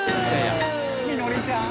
みのりちゃん。